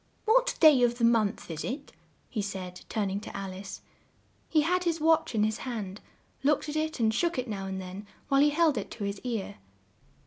"What day of the month is it?" he said, turn ing to Al ice. He had his watch in his hand, looked at it and shook it now and then while he held it to his ear.